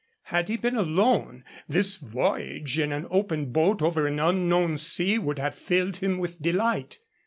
Had he been alone, this voyage in an open boat over an unknown sea would have filled him with delight.